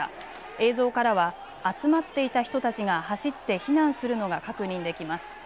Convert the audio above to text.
映像からは集まっていた人たちが走って避難するのが確認できます。